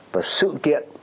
và sự kiện